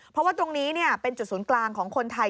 เพราะว่าตรงนี้เป็นจุดศูนย์กลางของคนไทย